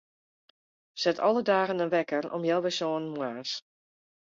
Set alle dagen in wekker om healwei sânen moarns.